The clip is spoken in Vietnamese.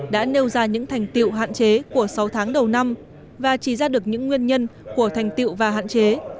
đã nêu ra những thành tiệu hạn chế của sáu tháng đầu năm và chỉ ra được những nguyên nhân của thành tiệu và hạn chế